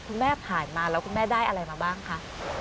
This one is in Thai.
ผ่านมาแล้วคุณแม่ได้อะไรมาบ้างคะ